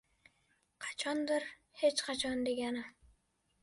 • “Qachondir” ― “hech qachon” degani.